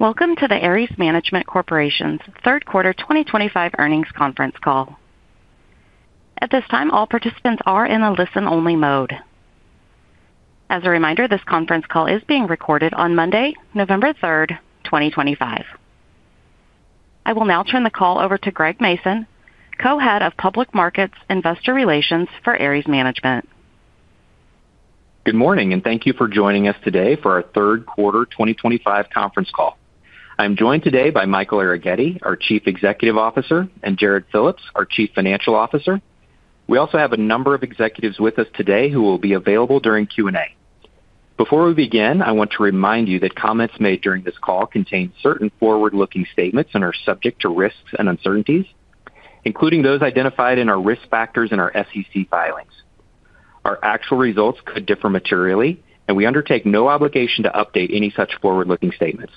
Welcome to the Ares Management Corporation's third quarter 2025 earnings conference call. At this time, all participants are in the listen-only mode. As a reminder, this conference call is being recorded on Monday, November 3rd, 2025. I will now turn the call over to Greg Mason, Co-Head of Public Markets Investor Relations for Ares Management. Good morning, and thank you for joining us today for our third quarter 2025 conference call. I'm joined today by Michael Arougheti, our Chief Executive Officer, and Jarrod Phillips, our Chief Financial Officer. We also have a number of executives with us today who will be available during Q&A. Before we begin, I want to remind you that comments made during this call contain certain forward-looking statements and are subject to risks and uncertainties, including those identified in our risk factors and our SEC filings. Our actual results could differ materially, and we undertake no obligation to update any such forward-looking statements.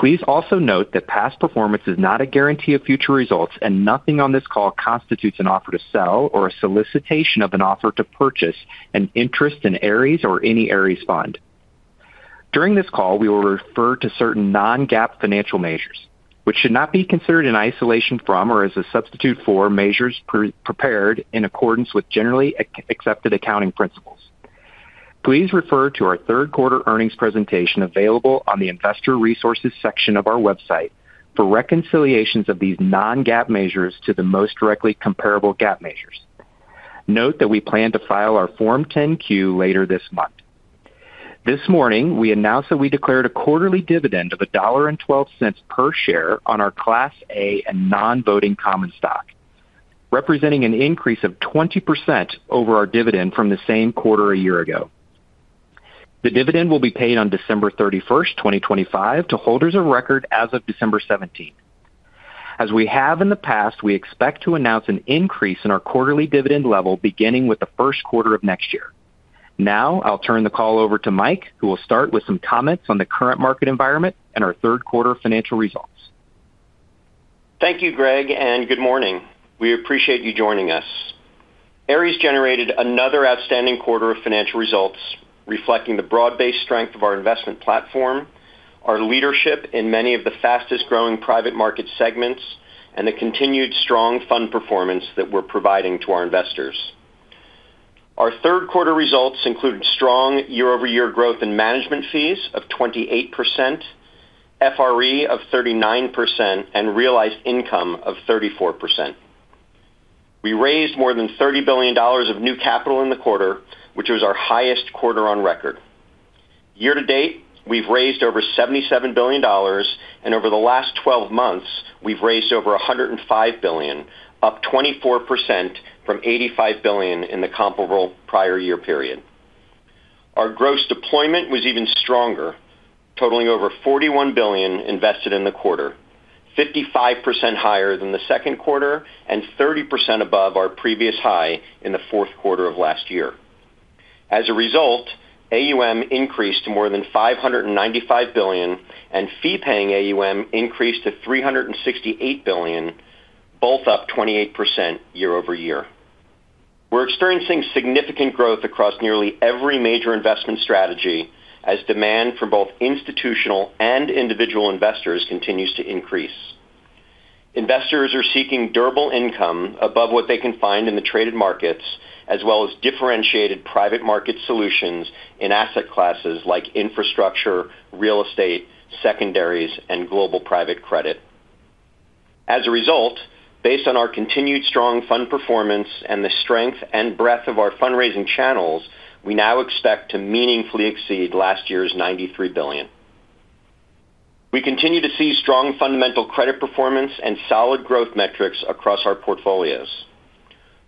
Please also note that past performance is not a guarantee of future results, and nothing on this call constitutes an offer to sell or a solicitation of an offer to purchase an interest in Ares or any Ares fund. During this call, we will refer to certain non-GAAP financial measures, which should not be considered in isolation from or as a substitute for measures prepared in accordance with generally accepted accounting principles. Please refer to our third quarter earnings presentation available on the Investor Resources section of our website for reconciliations of these non-GAAP measures to the most directly comparable GAAP measures. Note that we plan to file our Form 10-Q later this month. This morning, we announced that we declared a quarterly dividend of $1.12 per share on our Class A and non-voting common stock, representing an increase of 20% over our dividend from the same quarter a year ago. The dividend will be paid on December 31st, 2025, to holders of record as of December 17. As we have in the past, we expect to announce an increase in our quarterly dividend level beginning with the first quarter of next year. Now, I'll turn the call over to Mike, who will start with some comments on the current market environment and our third quarter financial results. Thank you, Greg, and good morning. We appreciate you joining us. Ares generated another outstanding quarter of financial results, reflecting the broad-based strength of our investment platform, our leadership in many of the fastest-growing private market segments, and the continued strong fund performance that we're providing to our investors. Our third quarter results included strong year-over-year growth in management fees of 28%, FRE of 39%, and realized income of 34%. We raised more than $30 billion of new capital in the quarter, which was our highest quarter on record. Year to date, we've raised over $77 billion, and over the last 12 months, we've raised over $105 billion, up 24% from $85 billion in the comparable prior year period. Our gross deployment was even stronger, totaling over $41 billion invested in the quarter, 55% higher than the second quarter and 30% above our previous high in the fourth quarter of last year. As a result, AUM increased to more than $595 billion, and fee-paying AUM increased to $368 billion, both up 28% year-over-year. We're experiencing significant growth across nearly every major investment strategy as demand for both institutional and individual investors continues to increase. Investors are seeking durable income above what they can find in the traded markets, as well as differentiated private market solutions in asset classes like infrastructure, real estate, secondaries, and global private credit. As a result, based on our continued strong fund performance and the strength and breadth of our fundraising channels, we now expect to meaningfully exceed last year's $93 billion. We continue to see strong fundamental credit performance and solid growth metrics across our portfolios.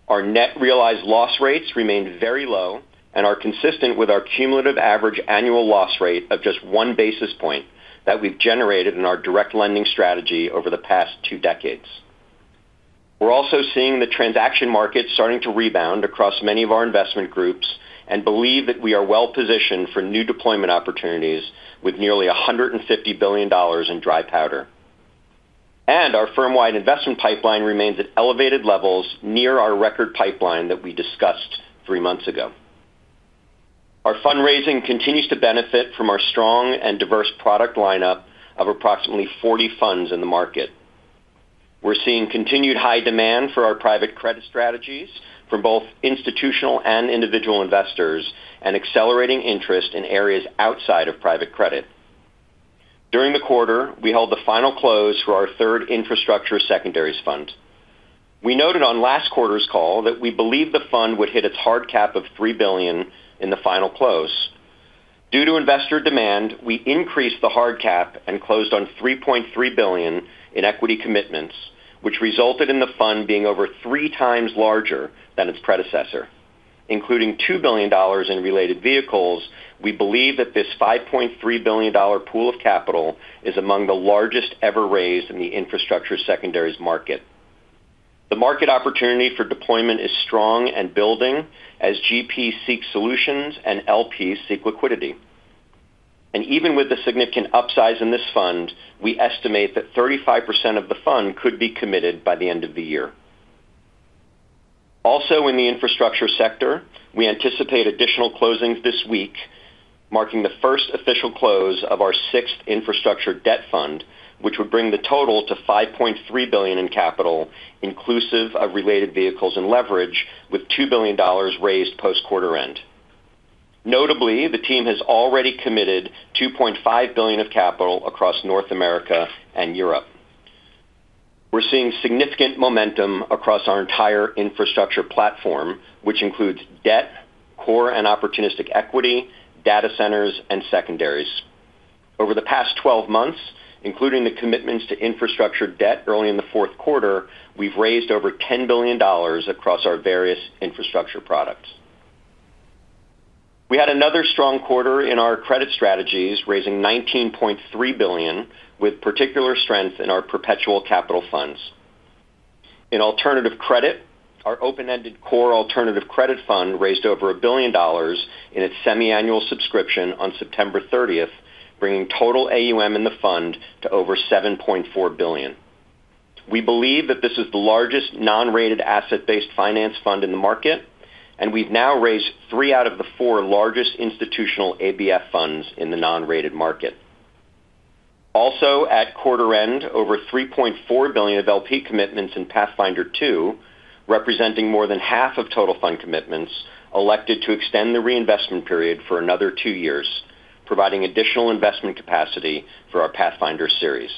Our net realized loss rates remain very low and are consistent with our cumulative average annual loss rate of just one basis point that we've generated in our direct lending strategy over the past two decades. We're also seeing the transaction market starting to rebound across many of our investment groups and believe that we are well-positioned for new deployment opportunities with nearly $150 billion in dry powder. Our firm-wide investment pipeline remains at elevated levels near our record pipeline that we discussed three months ago. Our fundraising continues to benefit from our strong and diverse product lineup of approximately 40 funds in the market. We're seeing continued high demand for our private credit strategies from both institutional and individual investors and accelerating interest in areas outside of private credit. During the quarter, we held the final close for our third infrastructure secondaries fund. We noted on last quarter's call that we believe the fund would hit its hard cap of $3 billion in the final close. Due to investor demand, we increased the hard cap and closed on $3.3 billion in equity commitments, which resulted in the fund being over three times larger than its predecessor. Including $2 billion in related vehicles, we believe that this $5.3 billion pool of capital is among the largest ever raised in the infrastructure secondaries market. The market opportunity for deployment is strong and building as GP seeks solutions and LP seeks liquidity. Even with the significant upside in this fund, we estimate that 35% of the fund could be committed by the end of the year. Also, in the infrastructure sector, we anticipate additional closings this week, marking the first official close of our sixth infrastructure debt fund, which would bring the total to $5.3 billion in capital, inclusive of related vehicles and leverage, with $2 billion raised post-quarter end. Notably, the team has already committed $2.5 billion of capital across North America and Europe. We are seeing significant momentum across our entire infrastructure platform, which includes debt, core and opportunistic equity, data centers, and secondaries. Over the past 12 months, including the commitments to infrastructure debt early in the fourth quarter, we have raised over $10 billion across our various infrastructure products. We had another strong quarter in our credit strategies, raising $19.3 billion, with particular strength in our perpetual capital funds. In alternative credit, our open-ended core alternative credit fund raised over $1 billion in its semiannual subscription on September 30th, bringing total AUM in the fund to over $7.4 billion. We believe that this is the largest non-rated asset-based finance fund in the market, and we have now raised three out of the four largest institutional ABF funds in the non-rated market. Also, at quarter end, over $3.4 billion of LP commitments in Pathfinder II, representing more than half of total fund commitments, elected to extend the reinvestment period for another two years, providing additional investment capacity for our Pathfinder series.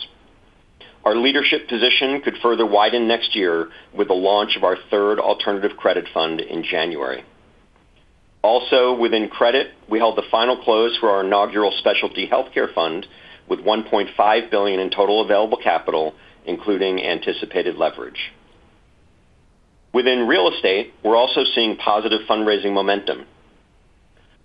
Our leadership position could further widen next year with the launch of our third alternative credit fund in January. Also, within credit, we held the final close for our inaugural specialty healthcare fund with $1.5 billion in total available capital, including anticipated leverage. Within real estate, we are also seeing positive fundraising momentum.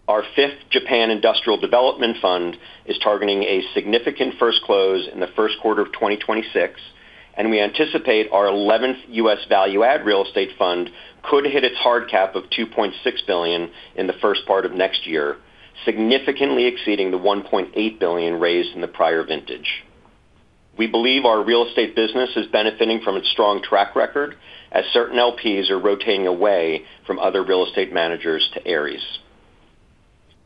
Our fifth Japan Industrial Development Fund is targeting a significant first close in the first quarter of 2026, and we anticipate our 11th US Value-Add Real Estate Fund could hit its hard cap of $2.6 billion in the first part of next year, significantly exceeding the $1.8 billion raised in the prior vintage. We believe our real estate business is benefiting from its strong track record as certain LPs are rotating away from other real estate managers to Ares.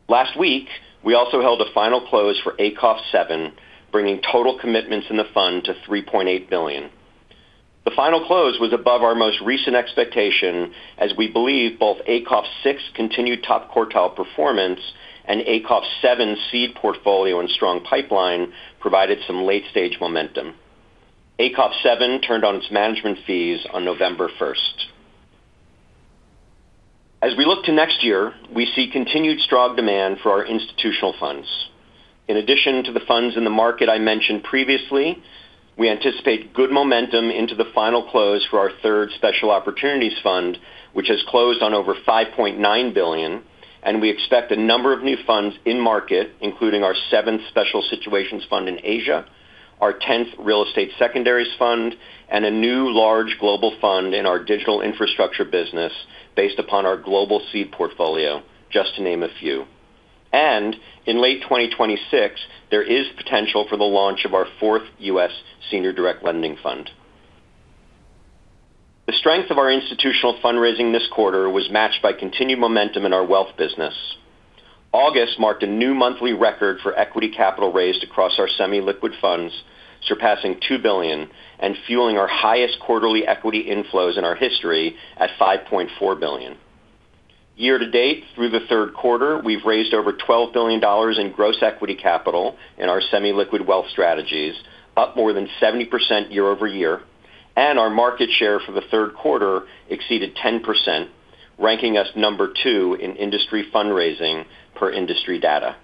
Last week, we also held a final close for ACOF VII, bringing total commitments in the fund to $3.8 billion. The final close was above our most recent expectation as we believe both ACOF VI continued top quartile performance and ACOF VII seed portfolio and strong pipeline provided some late-stage momentum. ACOF VII turned on its management fees on November 1st. As we look to next year, we see continued strong demand for our institutional funds. In addition to the funds in the market I mentioned previously, we anticipate good momentum into the final close for our third special opportunities fund, which has closed on over $5.9 billion, and we expect a number of new funds in market, including our seventh special situations fund in Asia, our tenth real estate secondaries fund, and a new large global fund in our digital infrastructure business based upon our global seed portfolio, just to name a few. In late 2026, there is potential for the launch of our fourth US senior direct lending fund. The strength of our institutional fundraising this quarter was matched by continued momentum in our wealth business. August marked a new monthly record for equity capital raised across our semi-liquid funds, surpassing $2 billion and fueling our highest quarterly equity inflows in our history at $5.4 billion. Year to date, through the third quarter, we've raised over $12 billion in gross equity capital in our semi-liquid wealth strategies, up more than 70% year-over-year, and our market share for the third quarter exceeded 10%, ranking us number two in industry fundraising per industry data.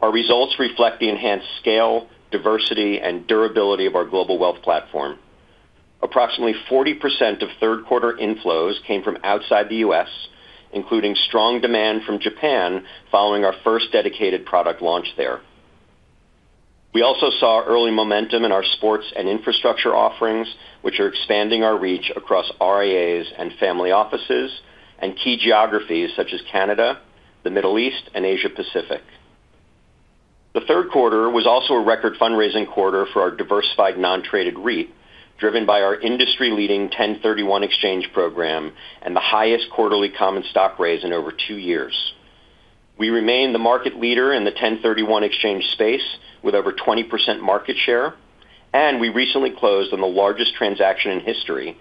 Our results reflect the enhanced scale, diversity, and durability of our global wealth platform. Approximately 40% of third-quarter inflows came from outside the U.S., including strong demand from Japan following our first dedicated product launch there. We also saw early momentum in our sports and infrastructure offerings, which are expanding our reach across RIAs and family offices and key geographies such as Canada, the Middle East, and Asia-Pacific. The third quarter was also a record fundraising quarter for our diversified non-traded REIT, driven by our industry-leading 1031 exchange program and the highest quarterly common stock raise in over two years. We remain the market leader in the 1031 exchange space with over 20% market share, and we recently closed on the largest transaction in history,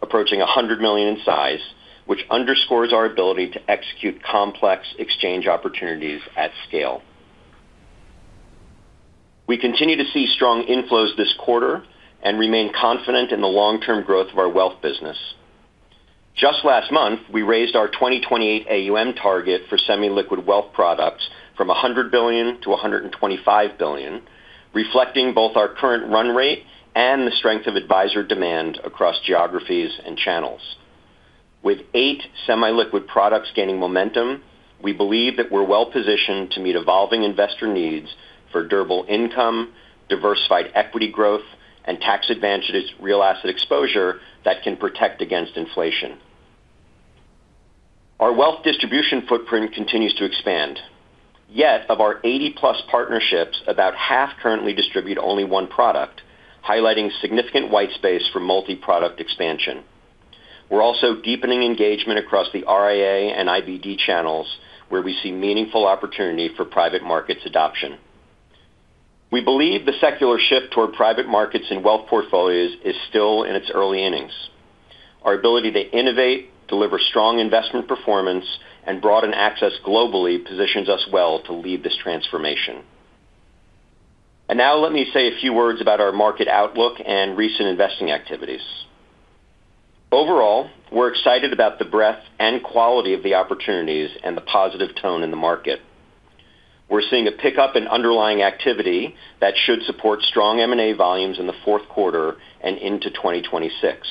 approaching $100 million in size, which underscores our ability to execute complex exchange opportunities at scale. We continue to see strong inflows this quarter and remain confident in the long-term growth of our wealth business. Just last month, we raised our 2028 AUM target for semi-liquid wealth products from $100 billion-$125 billion, reflecting both our current run rate and the strength of advisor demand across geographies and channels. With eight semi-liquid products gaining momentum, we believe that we're well-positioned to meet evolving investor needs for durable income, diversified equity growth, and tax-advantaged real asset exposure that can protect against inflation. Our wealth distribution footprint continues to expand. Yet, of our 80+ partnerships, about half currently distribute only one product, highlighting significant white space for multi-product expansion. We're also deepening engagement across the RIA and IBD channels, where we see meaningful opportunity for private markets adoption. We believe the secular shift toward private markets in wealth portfolios is still in its early innings. Our ability to innovate, deliver strong investment performance, and broaden access globally positions us well to lead this transformation. Now, let me say a few words about our market outlook and recent investing activities. Overall, we're excited about the breadth and quality of the opportunities and the positive tone in the market. We're seeing a pickup in underlying activity that should support strong M&A volumes in the fourth quarter and into 2026.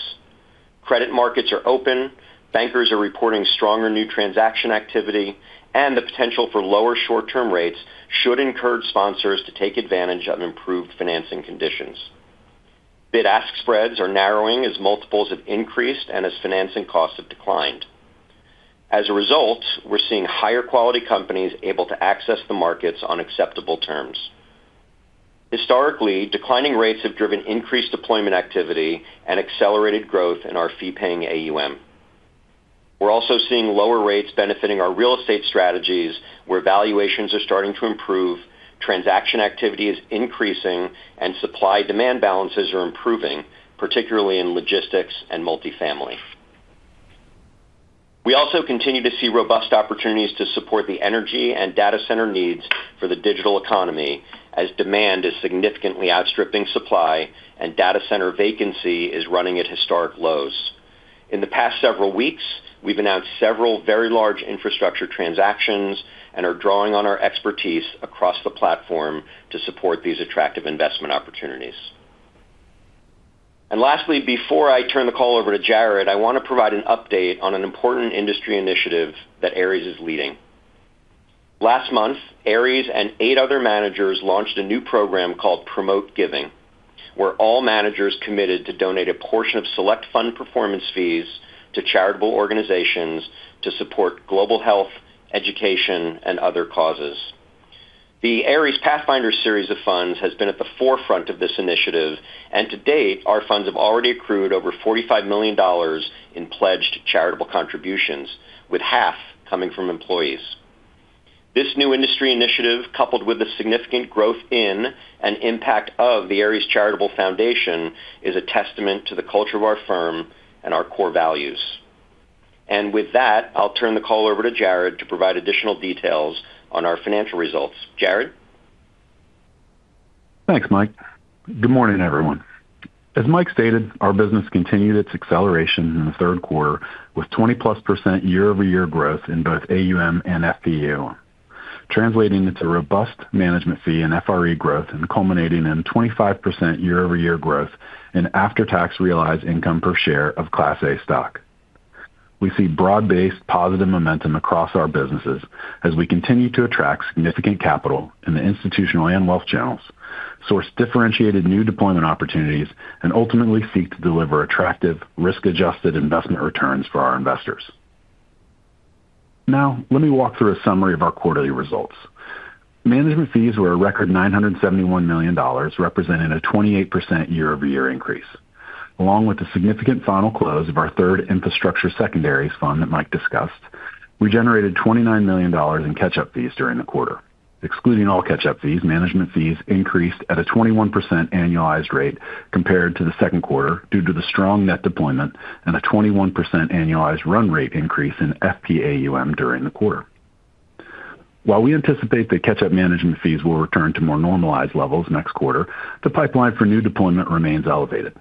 Credit markets are open, bankers are reporting stronger new transaction activity, and the potential for lower short-term rates should encourage sponsors to take advantage of improved financing conditions. Bid-ask spreads are narrowing as multiples have increased and as financing costs have declined. As a result, we're seeing higher-quality companies able to access the markets on acceptable terms. Historically, declining rates have driven increased deployment activity and accelerated growth in our fee-paying AUM. We're also seeing lower rates benefiting our real estate strategies where valuations are starting to improve, transaction activity is increasing, and supply-demand balances are improving, particularly in logistics and multifamily. We also continue to see robust opportunities to support the energy and data center needs for the digital economy as demand is significantly outstripping supply and data center vacancy is running at historic lows. In the past several weeks, we've announced several very large infrastructure transactions and are drawing on our expertise across the platform to support these attractive investment opportunities. Lastly, before I turn the call over to Jarrod, I want to provide an update on an important industry initiative that Ares is leading. Last month, Ares and eight other managers launched a new program called Promote Giving, where all managers committed to donate a portion of select fund performance fees to charitable organizations to support global health, education, and other causes. The Ares Pathfinder series of funds has been at the forefront of this initiative, and to date, our funds have already accrued over $45 million in pledged charitable contributions, with half coming from employees. This new industry initiative, coupled with the significant growth in and impact of the Ares Charitable Foundation, is a testament to the culture of our firm and our core values. With that, I'll turn the call over to Jarrod to provide additional details on our financial results. Jarrod? Thanks, Mike. Good morning, everyone. As Mike stated, our business continued its acceleration in the third quarter with 20%+ year-over-year growth in both AUM and FRE, translating into robust management fee and FRE growth and culminating in 25% year-over-year growth in after-tax realized income per share of Class A stock. We see broad-based positive momentum across our businesses as we continue to attract significant capital in the institutional and wealth channels, source differentiated new deployment opportunities, and ultimately seek to deliver attractive, risk-adjusted investment returns for our investors. Now, let me walk through a summary of our quarterly results. Management fees were a record $971 million, representing a 28% year-over-year increase. Along with the significant final close of our third infrastructure secondaries fund that Mike discussed, we generated $29 million in catch-up fees during the quarter. Excluding all catch-up fees, management fees increased at a 21% annualized rate compared to the second quarter due to the strong net deployment and a 21% annualized run rate increase in FPAUM during the quarter. While we anticipate that catch-up management fees will return to more normalized levels next quarter, the pipeline for new deployment remains elevated.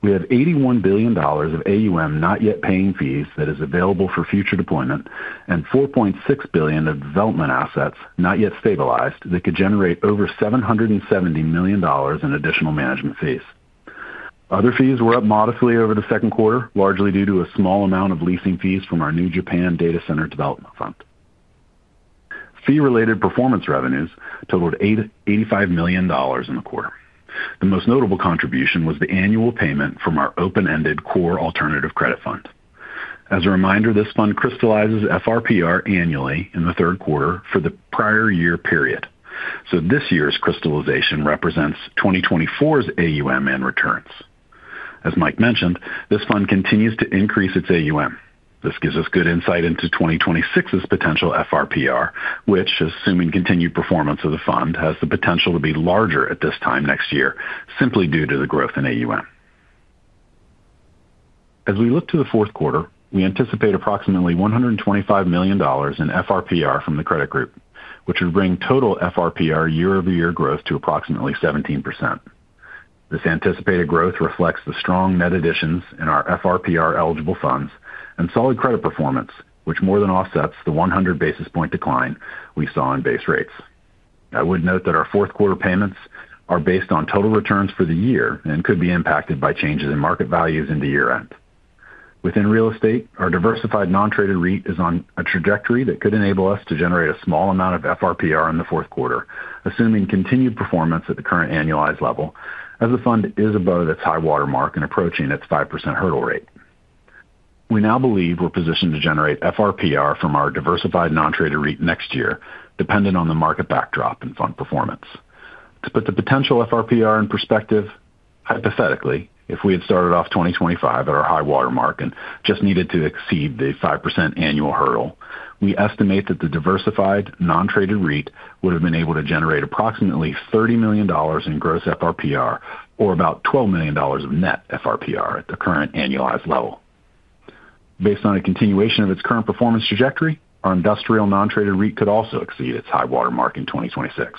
We have $81 billion of AUM not yet paying fees that is available for future deployment and $4.6 billion of development assets not yet stabilized that could generate over $770 million in additional management fees. Other fees were up modestly over the second quarter, largely due to a small amount of leasing fees from our new Japan data center development fund. Fee-related performance revenues totaled $85 million in the quarter. The most notable contribution was the annual payment from our open-ended core alternative credit fund. As a reminder, this fund crystallizes FRPR annually in the third quarter for the prior year period. This year's crystallization represents 2024's AUM and returns. As Mike mentioned, this fund continues to increase its AUM. This gives us good insight into 2026's potential FRPR, which, assuming continued performance of the fund, has the potential to be larger at this time next year simply due to the growth in AUM. As we look to the fourth quarter, we anticipate approximately $125 million in FRPR from the credit group, which would bring total FRPR year-over-year growth to approximately 17%. This anticipated growth reflects the strong net additions in our FRPR eligible funds and solid credit performance, which more than offsets the 100 basis point decline we saw in base rates. I would note that our fourth quarter payments are based on total returns for the year and could be impacted by changes in market values into year-end. Within real estate, our diversified non-traded REIT is on a trajectory that could enable us to generate a small amount of FRPR in the fourth quarter, assuming continued performance at the current annualized level, as the fund is above its high watermark and approaching its 5% hurdle rate. We now believe we are positioned to generate FRPR from our diversified non-traded REIT next year, depending on the market backdrop and fund performance. To put the potential FRPR in perspective, hypothetically, if we had started off 2025 at our high watermark and just needed to exceed the 5% annual hurdle, we estimate that the diversified non-traded REIT would have been able to generate approximately $30 million in gross FRPR or about $12 million of net FRPR at the current annualized level. Based on a continuation of its current performance trajectory, our industrial non-traded REIT could also exceed its high watermark in 2026.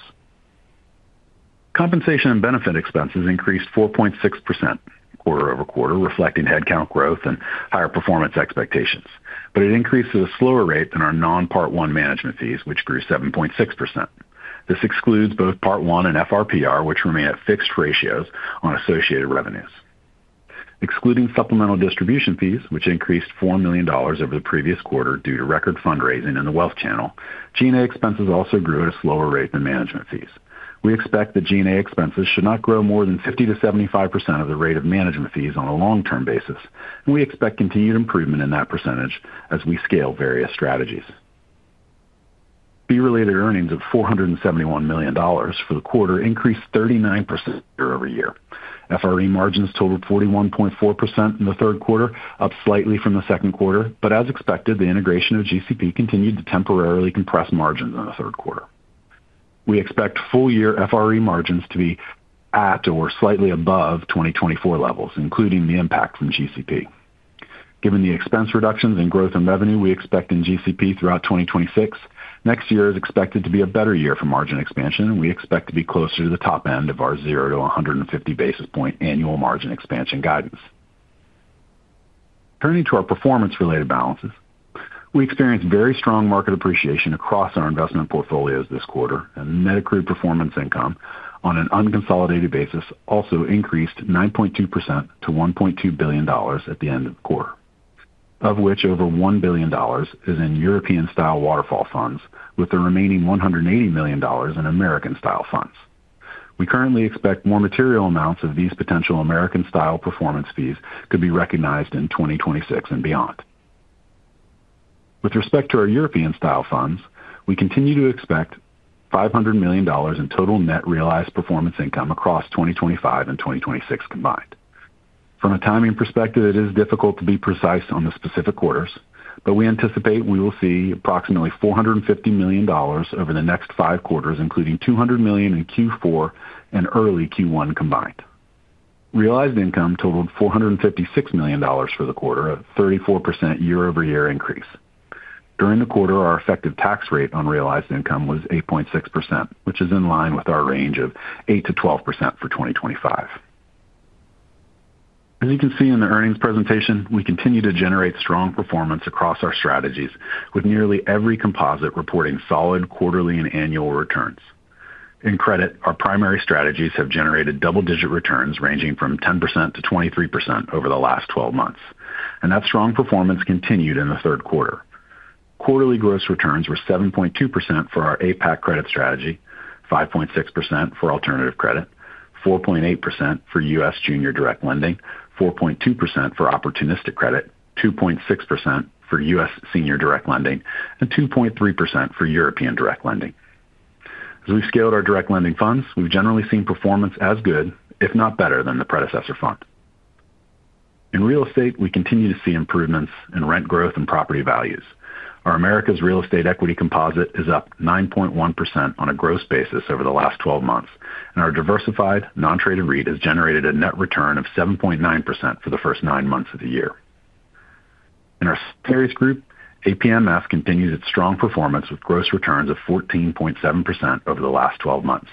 Compensation and benefit expenses increased 4.6% quarter-over-quarter, reflecting headcount growth and higher performance expectations, but it increased at a slower rate than our non-part one management fees, which grew 7.6%. This excludes both part one and FRPR, which remain at fixed ratios on associated revenues. Excluding supplemental distribution fees, which increased $4 million over the previous quarter due to record fundraising in the wealth channel, G&A expenses also grew at a slower rate than management fees. We expect that G&A expenses should not grow more than 50%-75% of the rate of management fees on a long-term basis, and we expect continued improvement in that percentage as we scale various strategies. Fee-related earnings of $471 million for the quarter increased 39% year-over-year. FRE margins totaled 41.4% in the third quarter, up slightly from the second quarter, but as expected, the integration of GCP continued to temporarily compress margins in the third quarter. We expect full-year FRE margins to be at or slightly above 2024 levels, including the impact from GCP. Given the expense reductions in growth and revenue we expect in GCP throughout 2026, next year is expected to be a better year for margin expansion, and we expect to be closer to the top end of our 0-150 basis point annual margin expansion guidance. Turning to our performance-related balances, we experienced very strong market appreciation across our investment portfolios this quarter, and Medicare performance income on an unconsolidated basis also increased 9.2% to $1.2 billion at the end of the quarter, of which over $1 billion is in European-style waterfall funds, with the remaining $180 million in American-style funds. We currently expect more material amounts of these potential American-style performance fees could be recognized in 2026 and beyond. With respect to our European-style funds, we continue to expect $500 million in total net realized performance income across 2025 and 2026 combined. From a timing perspective, it is difficult to be precise on the specific quarters, but we anticipate we will see approximately $450 million over the next five quarters, including $200 million in Q4 and early Q1 combined. Realized income totaled $456 million for the quarter, a 34% year-over-year increase. During the quarter, our effective tax rate on realized income was 8.6%, which is in line with our range of 8%-12% for 2025. As you can see in the earnings presentation, we continue to generate strong performance across our strategies, with nearly every composite reporting solid quarterly and annual returns. In credit, our primary strategies have generated double-digit returns ranging from 10%-23% over the last 12 months, and that strong performance continued in the third quarter. Quarterly gross returns were 7.2% for our APAC credit strategy, 5.6% for alternative credit, 4.8% for US junior direct lending, 4.2% for opportunistic credit, 2.6% for US senior direct lending, and 2.3% for European direct lending. As we've scaled our direct lending funds, we've generally seen performance as good, if not better, than the predecessor fund. In real estate, we continue to see improvements in rent growth and property values. Our America's real estate equity composite is up 9.1% on a gross basis over the last 12 months, and our diversified non-traded REIT has generated a net return of 7.9% for the first nine months of the year. In our various group, APMF continues its strong performance with gross returns of 14.7% over the last 12 months.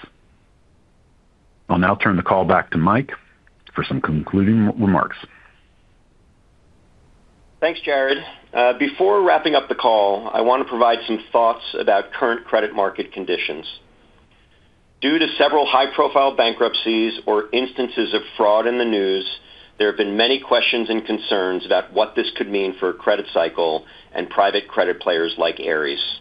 I'll now turn the call back to Mike for some concluding remarks. Thanks, Jarrod. Before wrapping up the call, I want to provide some thoughts about current credit market conditions. Due to several high-profile bankruptcies or instances of fraud in the news, there have been many questions and concerns about what this could mean for a credit cycle and private credit players like Ares.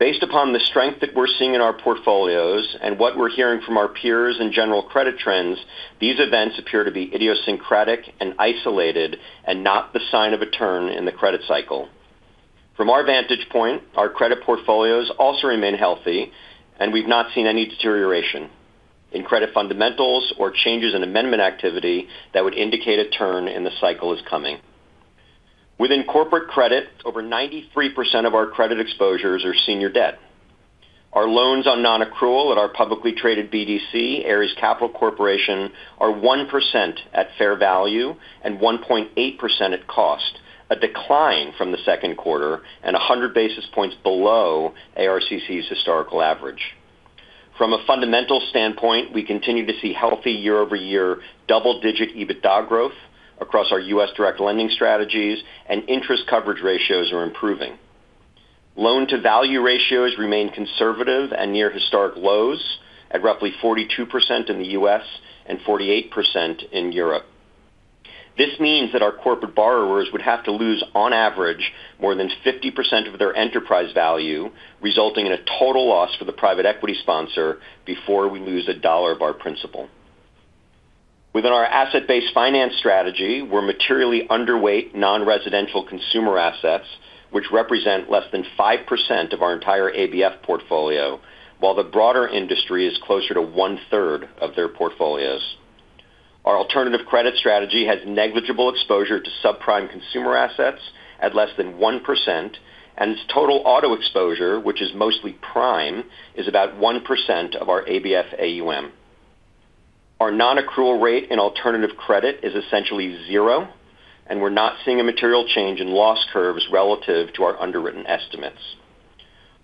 Based upon the strength that we're seeing in our portfolios and what we're hearing from our peers and general credit trends, these events appear to be idiosyncratic and isolated and not the sign of a turn in the credit cycle. From our vantage point, our credit portfolios also remain healthy, and we've not seen any deterioration in credit fundamentals or changes in amendment activity that would indicate a turn in the cycle is coming. Within corporate credit, over 93% of our credit exposures are senior debt. Our loans on non-accrual at our publicly traded BDC, Ares Capital Corporation, are 1% at fair value and 1.8% at cost, a decline from the second quarter and 100 basis points below ARCC's historical average. From a fundamental standpoint, we continue to see healthy year-over-year double-digit EBITDA growth across our US direct lending strategies, and interest coverage ratios are improving. Loan-to-value ratios remain conservative and near historic lows at roughly 42% in the US and 48% in Europe. This means that our corporate borrowers would have to lose, on average, more than 50% of their enterprise value, resulting in a total loss for the private equity sponsor before we lose a dollar of our principal. Within our asset-based finance strategy, we're materially underweight non-residential consumer assets, which represent less than 5% of our entire ABF portfolio, while the broader industry is closer to one-third of their portfolios. Our alternative credit strategy has negligible exposure to subprime consumer assets at less than 1%, and its total auto exposure, which is mostly prime, is about 1% of our ABF AUM. Our non-accrual rate in alternative credit is essentially zero, and we're not seeing a material change in loss curves relative to our underwritten estimates.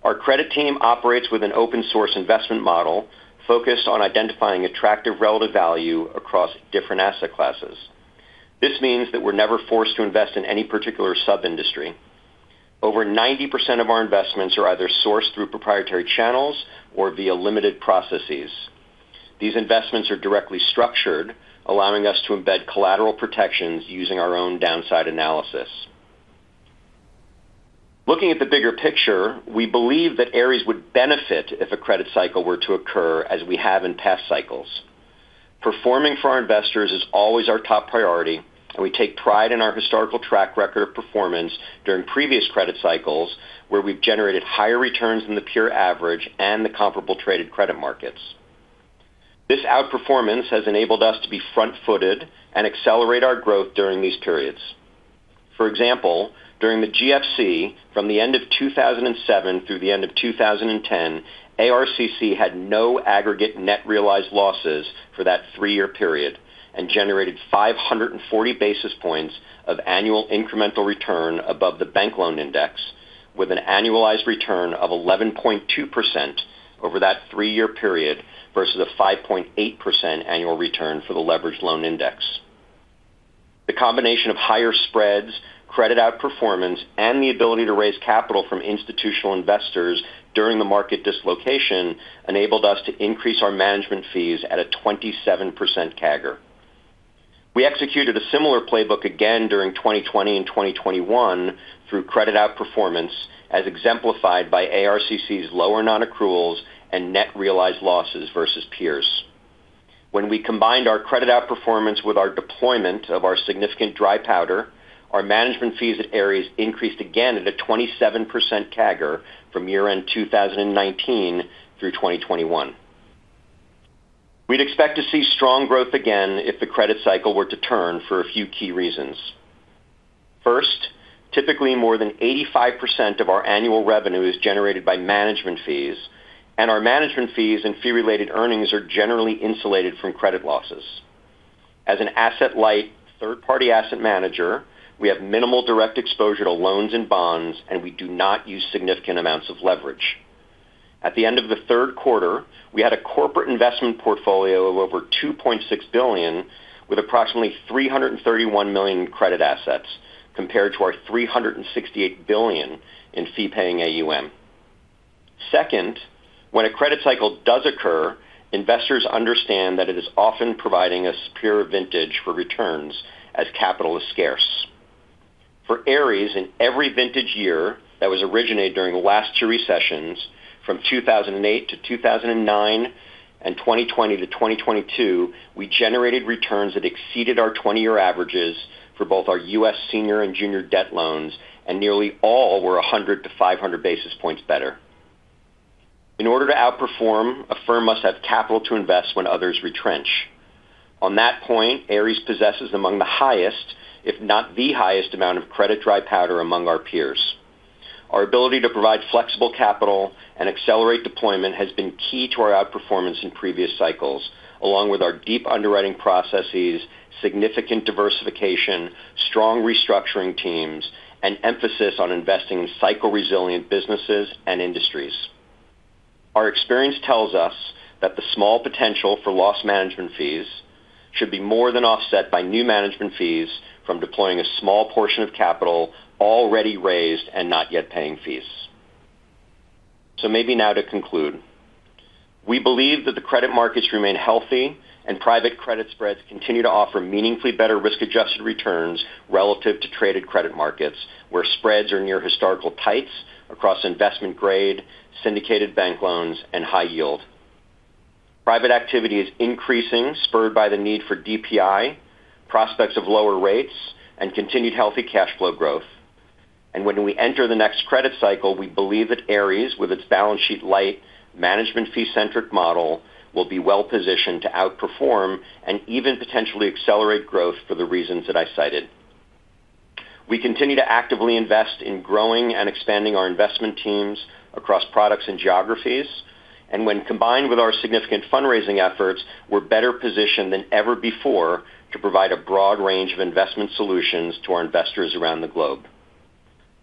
Our credit team operates with an open-source investment model focused on identifying attractive relative value across different asset classes. This means that we're never forced to invest in any particular sub-industry. Over 90% of our investments are either sourced through proprietary channels or via limited processes. These investments are directly structured, allowing us to embed collateral protections using our own downside analysis. Looking at the bigger picture, we believe that Ares would benefit if a credit cycle were to occur, as we have in past cycles. Performing for our investors is always our top priority, and we take pride in our historical track record of performance during previous credit cycles where we've generated higher returns than the peer average and the comparable traded credit markets. This outperformance has enabled us to be front-footed and accelerate our growth during these periods. For example, during the GFC, from the end of 2007 through the end of 2010, ARCC had no aggregate net realized losses for that three-year period and generated 540 basis points of annual incremental return above the bank loan index, with an annualized return of 11.2% over that three-year period versus a 5.8% annual return for the leveraged loan index. The combination of higher spreads, credit outperformance, and the ability to raise capital from institutional investors during the market dislocation enabled us to increase our management fees at a 27% CAGR. We executed a similar playbook again during 2020 and 2021 through credit outperformance, as exemplified by ARCC's lower non-accruals and net realized losses versus peers. When we combined our credit outperformance with our deployment of our significant dry powder, our management fees at Ares increased again at a 27% CAGR from year-end 2019 through 2021. We'd expect to see strong growth again if the credit cycle were to turn for a few key reasons. First, typically more than 85% of our annual revenue is generated by management fees, and our management fees and fee-related earnings are generally insulated from credit losses. As an asset-light third-party asset manager, we have minimal direct exposure to loans and bonds, and we do not use significant amounts of leverage. At the end of the third quarter, we had a corporate investment portfolio of over $2.6 billion with approximately $331 million in credit assets compared to our $368 billion in fee-paying AUM. Second, when a credit cycle does occur, investors understand that it is often providing a superior vintage for returns as capital is scarce. For Ares, in every vintage year that was originated during the last two recessions, from 2008-2009 and 2020-2022, we generated returns that exceeded our 20-year averages for both our U.S. senior and junior debt loans, and nearly all were 100-500 basis points better. In order to outperform, a firm must have capital to invest when others retrench. On that point, Ares possesses among the highest, if not the highest, amount of credit dry powder among our peers. Our ability to provide flexible capital and accelerate deployment has been key to our outperformance in previous cycles, along with our deep underwriting processes, significant diversification, strong restructuring teams, and emphasis on investing in cycle-resilient businesses and industries. Our experience tells us that the small potential for lost management fees should be more than offset by new management fees from deploying a small portion of capital already raised and not yet paying fees. Maybe now to conclude. We believe that the credit markets remain healthy and private credit spreads continue to offer meaningfully better risk-adjusted returns relative to traded credit markets where spreads are near historical tights across investment grade, syndicated bank loans, and high yield. Private activity is increasing, spurred by the need for DPI, prospects of lower rates, and continued healthy cash flow growth. When we enter the next credit cycle, we believe that Ares, with its balance sheet light, management fee-centric model, will be well-positioned to outperform and even potentially accelerate growth for the reasons that I cited. We continue to actively invest in growing and expanding our investment teams across products and geographies, and when combined with our significant fundraising efforts, we are better positioned than ever before to provide a broad range of investment solutions to our investors around the globe.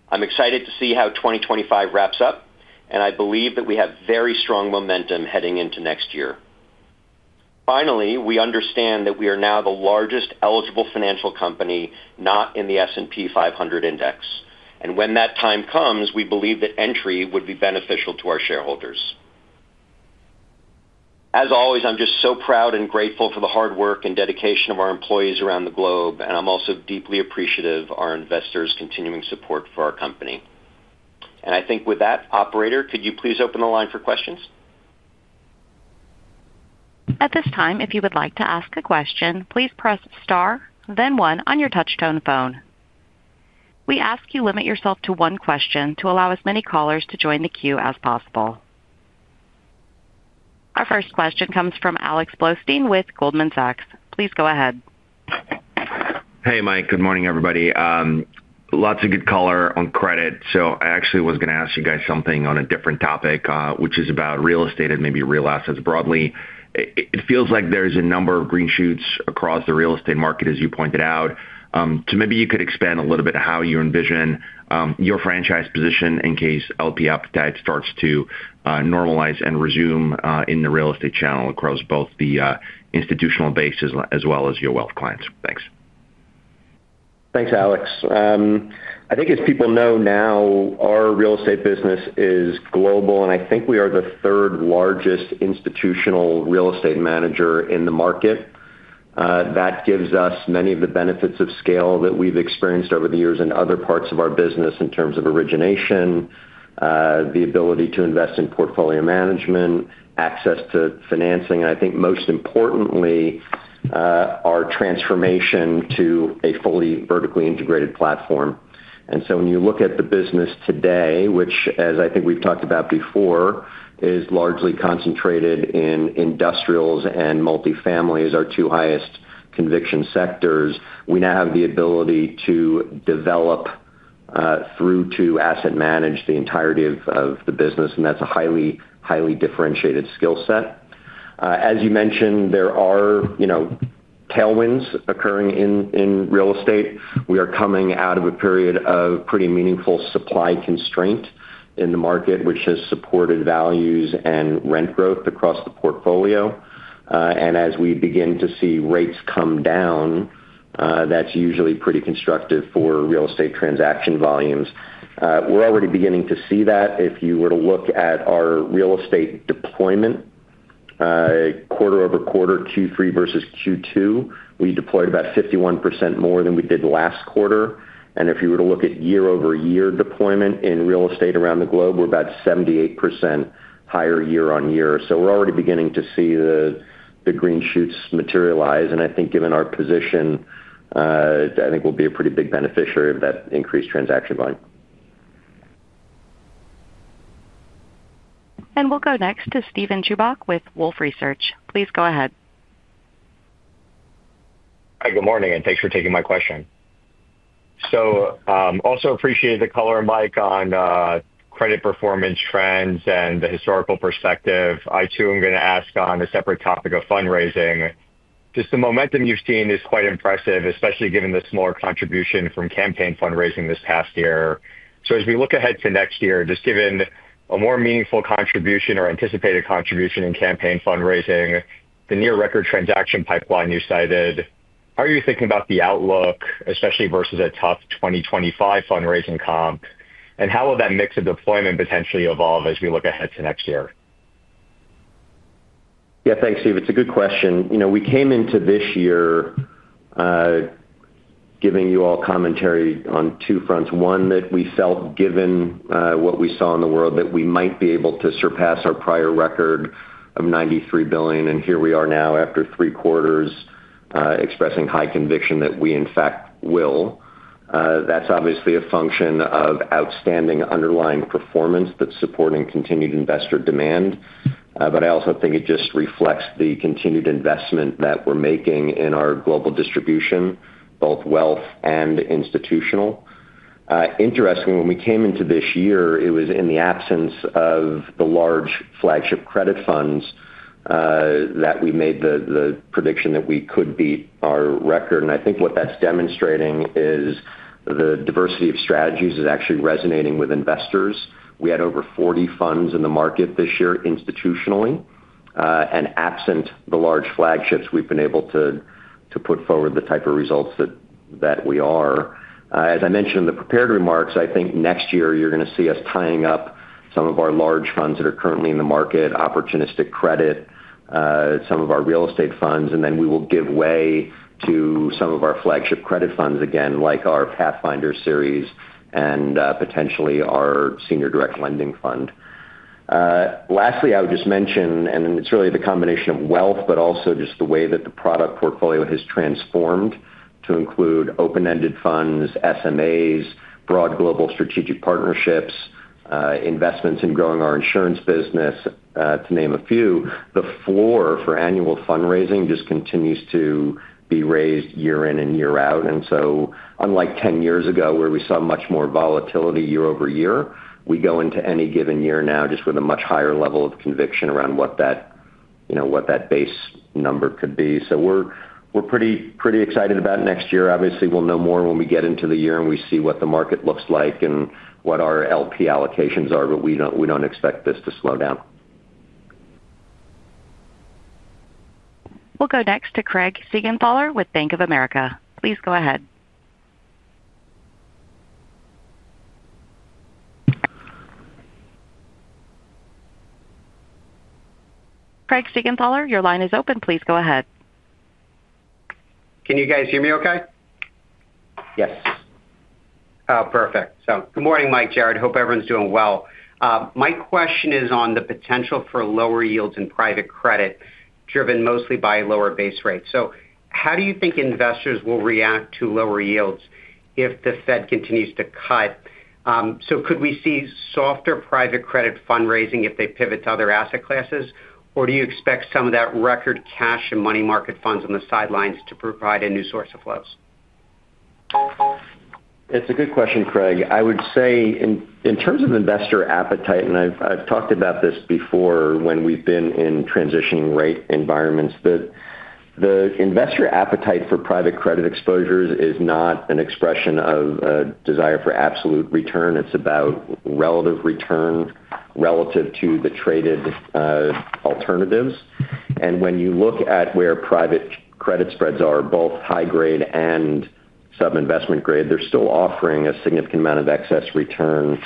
I am excited to see how 2025 wraps up, and I believe that we have very strong momentum heading into next year. Finally, we understand that we are now the largest eligible financial company not in the S&P 500 index, and when that time comes, we believe that entry would be beneficial to our shareholders. As always, I am just so proud and grateful for the hard work and dedication of our employees around the globe, and I am also deeply appreciative of our investors' continuing support for our company. I think with that, Operator, could you please open the line for questions? At this time, if you would like to ask a question, please press star, then one on your touchstone phone. We ask you to limit yourself to one question to allow as many callers to join the queue as possible. Our first question comes from Alex Blohstein with Goldman Sachs. Please go ahead. Hey, Mike. Good morning, everybody. Lots of good callers on credit, so I actually was going to ask you guys something on a different topic, which is about real estate and maybe real assets broadly. It feels like there's a number of green shoots across the real estate market, as you pointed out. Maybe you could expand a little bit on how you envision your franchise position in case LP appetite starts to normalize and resume in the real estate channel across both the institutional bases as well as your wealth clients. Thanks. Thanks, Alex. I think, as people know now, our real estate business is global, and I think we are the third-largest institutional real estate manager in the market. That gives us many of the benefits of scale that we've experienced over the years in other parts of our business in terms of origination. The ability to invest in portfolio management, access to financing, and I think most importantly, our transformation to a fully vertically integrated platform. When you look at the business today, which, as I think we've talked about before, is largely concentrated in industrials and multifamily, our two highest conviction sectors, we now have the ability to develop through to asset manage the entirety of the business, and that's a highly, highly differentiated skill set. As you mentioned, there are tailwinds occurring in real estate. We are coming out of a period of pretty meaningful supply constraint in the market, which has supported values and rent growth across the portfolio. As we begin to see rates come down, that's usually pretty constructive for real estate transaction volumes. We're already beginning to see that. If you were to look at our real estate deployment quarter over quarter, Q3 versus Q2, we deployed about 51% more than we did last quarter. If you were to look at year-over-year deployment in real estate around the globe, we're about 78% higher year-on-year. We're already beginning to see the green shoots materialize, and I think given our position, I think we'll be a pretty big beneficiary of that increased transaction volume. We will go next to Steven Chubak with Wolfe Research. Please go ahead. Hi, good morning, and thanks for taking my question. I also appreciate the color and Mike on credit performance trends and the historical perspective. I too am going to ask on a separate topic of fundraising. Just the momentum you've seen is quite impressive, especially given the smaller contribution from campaign fundraising this past year. As we look ahead to next year, just given a more meaningful contribution or anticipated contribution in campaign fundraising, the near-record transaction pipeline you cited, how are you thinking about the outlook, especially versus a tough 2025 fundraising comp, and how will that mix of deployment potentially evolve as we look ahead to next year? Yeah, thanks, Steve. It's a good question. We came into this year giving you all commentary on two fronts. One, that we felt, given what we saw in the world, that we might be able to surpass our prior record of $93 billion, and here we are now after three quarters, expressing high conviction that we, in fact, will. That's obviously a function of outstanding underlying performance that's supporting continued investor demand. I also think it just reflects the continued investment that we're making in our global distribution, both wealth and institutional. Interestingly, when we came into this year, it was in the absence of the large flagship credit funds that we made the prediction that we could beat our record. I think what that's demonstrating is the diversity of strategies is actually resonating with investors. We had over 40 funds in the market this year institutionally, and absent the large flagships, we've been able to put forward the type of results that we are. As I mentioned in the prepared remarks, I think next year you're going to see us tying up some of our large funds that are currently in the market, opportunistic credit, some of our real estate funds, and then we will give way to some of our flagship credit funds again, like our Pathfinder series and potentially our senior direct lending fund. Lastly, I would just mention, and it's really the combination of wealth, but also just the way that the product portfolio has transformed to include open-ended funds, SMAs, broad global strategic partnerships, investments in growing our insurance business, to name a few. The floor for annual fundraising just continues to be raised year in and year out. Unlike 10 years ago where we saw much more volatility year over year, we go into any given year now just with a much higher level of conviction around what that base number could be. We're pretty excited about next year. Obviously, we'll know more when we get into the year and we see what the market looks like and what our LP allocations are, but we don't expect this to slow down. We'll go next to Craig Siegenthaler with Bank of America. Please go ahead. Craig Siegenthaler, your line is open. Please go ahead. Can you guys hear me okay? Yes. Oh, perfect. Good morning, Mike, Jarrod. Hope everyone's doing well. My question is on the potential for lower yields in private credit driven mostly by lower base rates. How do you think investors will react to lower yields if the Fed continues to cut? Could we see softer private credit fundraising if they pivot to other asset classes, or do you expect some of that record cash and money market funds on the sidelines to provide a new source of flows? It's a good question, Craig. I would say. In terms of investor appetite, and I've talked about this before when we've been in transitioning rate environments, that the investor appetite for private credit exposures is not an expression of a desire for absolute return. It's about relative return relative to the traded alternatives. And when you look at where private credit spreads are, both high-grade and sub-investment grade, they're still offering a significant amount of excess return.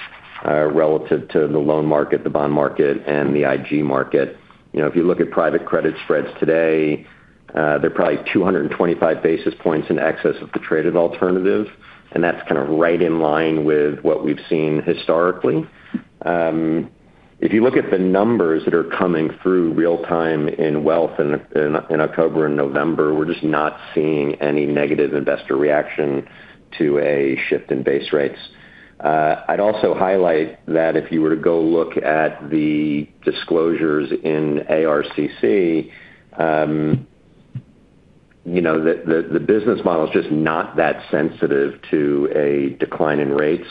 Relative to the loan market, the bond market, and the IG market. If you look at private credit spreads today, they're probably 225 basis points in excess of the traded alternative, and that's kind of right in line with what we've seen historically. If you look at the numbers that are coming through real-time in wealth in October and November, we're just not seeing any negative investor reaction to a shift in base rates. I'd also highlight that if you were to go look at the disclosures in ARCC, the business model is just not that sensitive to a decline in rates.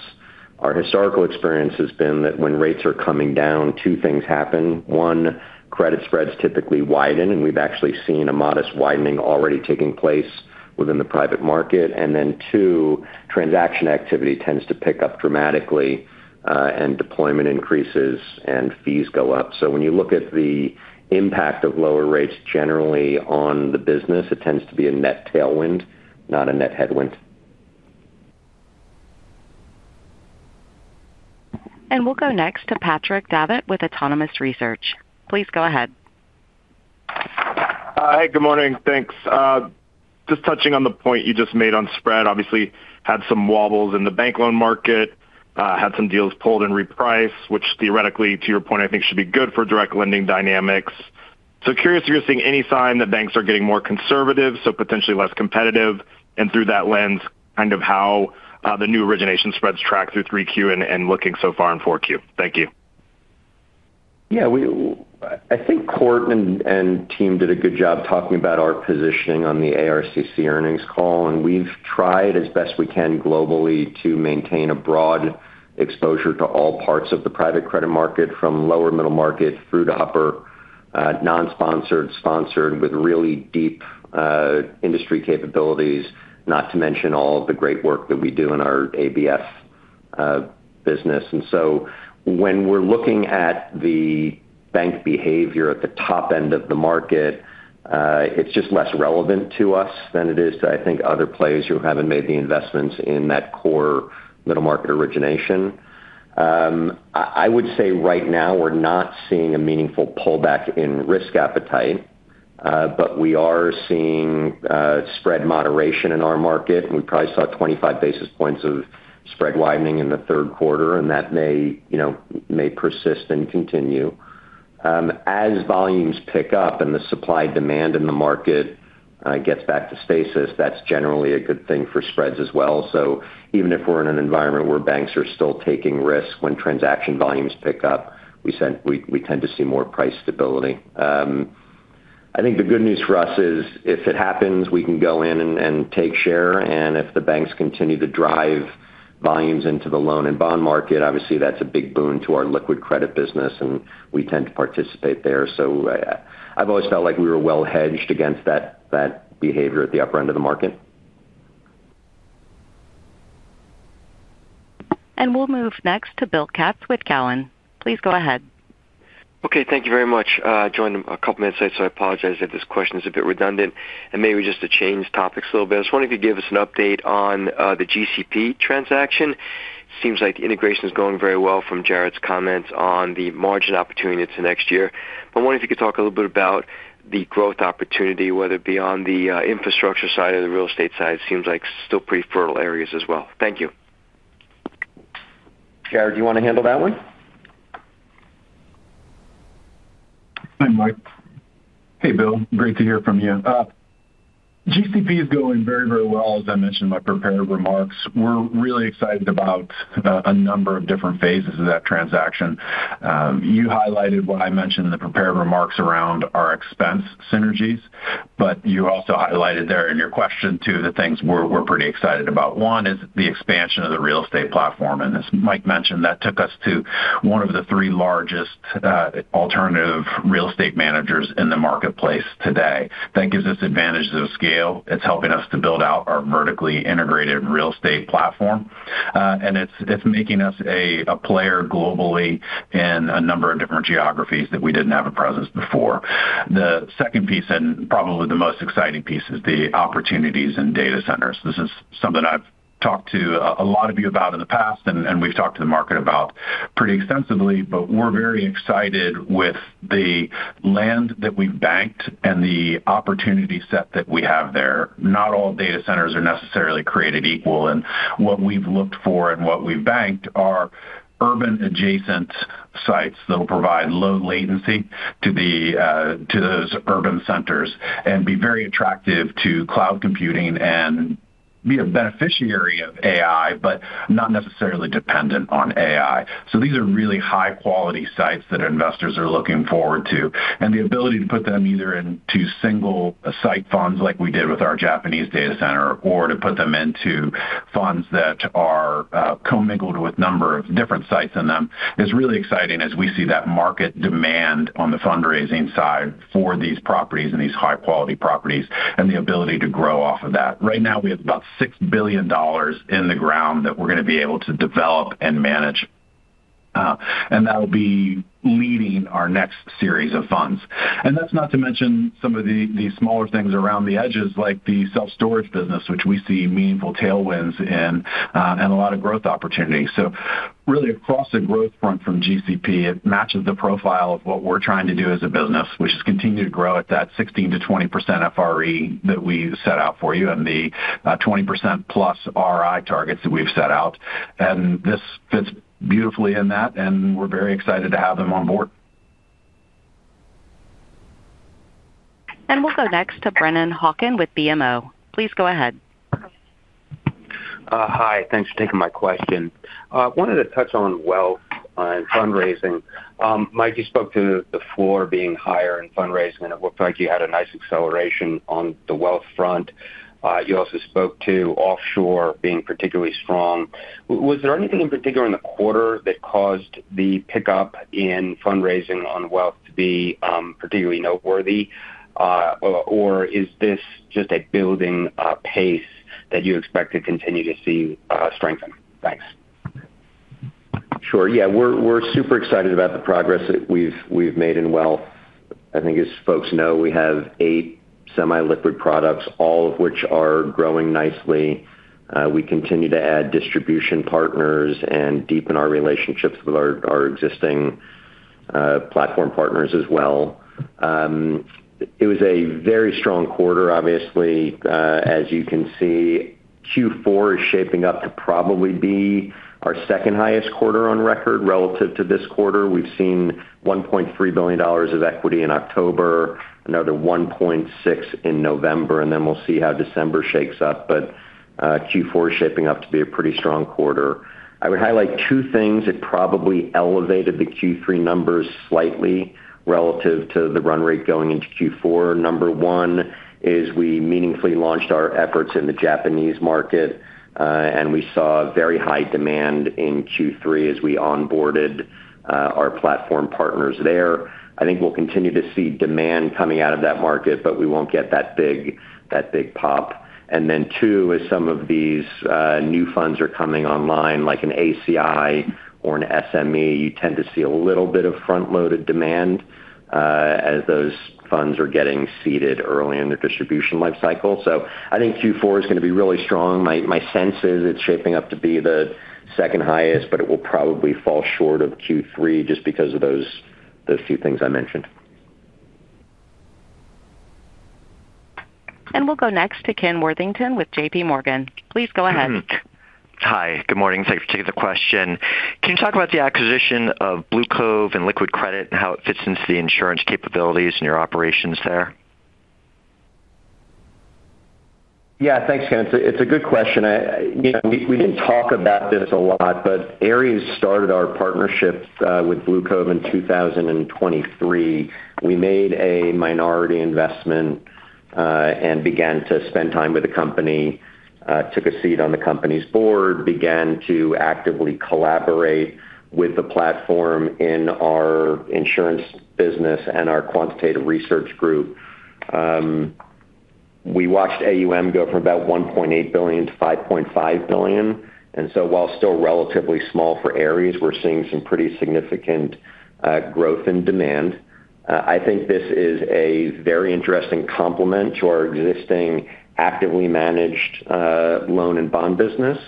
Our historical experience has been that when rates are coming down, two things happen. One, credit spreads typically widen, and we've actually seen a modest widening already taking place within the private market. And then two, transaction activity tends to pick up dramatically, and deployment increases and fees go up. So when you look at the impact of lower rates generally on the business, it tends to be a net tailwind, not a net headwind. We will go next to Patrick Davitt with Autonomous Research. Please go ahead. Hi, good morning. Thanks. Just touching on the point you just made on spread, obviously had some wobbles in the bank loan market, had some deals pulled and repriced, which theoretically, to your point, I think should be good for direct lending dynamics. Curious if you're seeing any sign that banks are getting more conservative, so potentially less competitive, and through that lens, kind of how the new origination spreads track through 3Q and looking so far in 4Q. Thank you. Yeah, I think Kort and team did a good job talking about our positioning on the ARCC earnings call, and we've tried as best we can globally to maintain a broad exposure to all parts of the private credit market, from lower middle market through to upper. Non-sponsored, sponsored, with really deep industry capabilities, not to mention all of the great work that we do in our ABF business. And so when we're looking at the bank behavior at the top end of the market, it's just less relevant to us than it is to, I think, other players who haven't made the investments in that core middle market origination. I would say right now we're not seeing a meaningful pullback in risk appetite, but we are seeing spread moderation in our market. We probably saw 25 basis points of spread widening in the third quarter, and that may persist and continue. As volumes pick up and the supply demand in the market gets back to stasis, that's generally a good thing for spreads as well. Even if we're in an environment where banks are still taking risk when transaction volumes pick up, we tend to see more price stability. I think the good news for us is if it happens, we can go in and take share. If the banks continue to drive volumes into the loan and bond market, obviously that's a big boon to our liquid credit business, and we tend to participate there. I've always felt like we were well hedged against that behavior at the upper end of the market. We'll move next to Bill Katz with Cowen. Please go ahead. Okay, thank you very much. I joined a couple of minutes late, so I apologize if this question is a bit redundant. Maybe just to change topics a little bit, I just wanted to give us an update on the GCP transaction. Seems like the integration is going very well from Jarrod's comments on the margin opportunity to next year. I wonder if you could talk a little bit about the growth opportunity, whether it be on the infrastructure side or the real estate side. Seems like still pretty fertile areas as well. Thank you. Jarrod, do you want to handle that one? Hey, Mike. Hey, Bill. Great to hear from you. GCP is going very, very well, as I mentioned in my prepared remarks. We're really excited about a number of different phases of that transaction. You highlighted what I mentioned in the prepared remarks around our expense synergies, but you also highlighted there in your question too the things we're pretty excited about. One is the expansion of the real estate platform, and as Mike mentioned, that took us to one of the three largest alternative real estate managers in the marketplace today. That gives us advantages of scale. It's helping us to build out our vertically integrated real estate platform. It's making us a player globally in a number of different geographies that we did not have a presence before. The second piece, and probably the most exciting piece, is the opportunities in data centers. This is something I've talked to a lot of you about in the past, and we've talked to the market about pretty extensively, but we're very excited with the land that we've banked and the opportunity set that we have there. Not all data centers are necessarily created equal, and what we've looked for and what we've banked are urban-adjacent sites that will provide low latency to those urban centers and be very attractive to cloud computing and be a beneficiary of AI, but not necessarily dependent on AI. These are really high-quality sites that investors are looking forward to. The ability to put them either into single-site funds like we did with our Japanese data center or to put them into funds that are co-mingled with a number of different sites in them is really exciting as we see that market demand on the fundraising side for these properties and these high-quality properties and the ability to grow off of that. Right now, we have about $6 billion in the ground that we're going to be able to develop and manage. That will be leading our next series of funds. That is not to mention some of the smaller things around the edges like the self-storage business, which we see meaningful tailwinds in and a lot of growth opportunity. Really, across the growth front from GCP, it matches the profile of what we're trying to do as a business, which is continue to grow at that 16%-20% FRE that we set out for you and the 20%+ RI targets that we've set out. This fits beautifully in that, and we're very excited to have them on board. We'll go next to Brennan Hawken with BMO. Please go ahead. Hi, thanks for taking my question. I wanted to touch on wealth and fundraising. Mike, you spoke to the floor being higher in fundraising, and it looked like you had a nice acceleration on the wealth front. You also spoke to offshore being particularly strong. Was there anything in particular in the quarter that caused the pickup in fundraising on wealth to be particularly noteworthy? Or is this just a building pace that you expect to continue to see strengthen? Thanks. Sure. Yeah, we're super excited about the progress that we've made in wealth. I think, as folks know, we have eight semi-liquid products, all of which are growing nicely. We continue to add distribution partners and deepen our relationships with our existing platform partners as well. It was a very strong quarter, obviously. As you can see, Q4 is shaping up to probably be our second highest quarter on record relative to this quarter. We've seen $1.3 billion of equity in October, another $1.6 billion in November, and then we'll see how December shakes up, but Q4 is shaping up to be a pretty strong quarter. I would highlight two things. It probably elevated the Q3 numbers slightly relative to the run rate going into Q4. Number one is we meaningfully launched our efforts in the Japanese market. And we saw very high demand in Q3 as we onboarded our platform partners there. I think we'll continue to see demand coming out of that market, but we won't get that big pop. And then two, as some of these new funds are coming online, like an ACI or an SME, you tend to see a little bit of front-loaded demand as those funds are getting seated early in their distribution life cycle. So I think Q4 is going to be really strong. My sense is it's shaping up to be the second highest, but it will probably fall short of Q3 just because of those few things I mentioned. We will go next to Ken Worthington with JPMorgan. Please go ahead. Hi, good morning. Thanks for taking the question. Can you talk about the acquisition of BlueCove and Liquid Credit and how it fits into the insurance capabilities and your operations there? Yeah, thanks, Ken. It's a good question. We didn't talk about this a lot, but Ares started our partnership with BlueCove in 2023. We made a minority investment and began to spend time with the company. Took a seat on the company's board, began to actively collaborate with the platform in our insurance business and our quantitative research group. We watched AUM go from about $1.8 billion-$5.5 billion. While still relatively small for Ares, we're seeing some pretty significant growth in demand. I think this is a very interesting complement to our existing actively managed loan and bond business.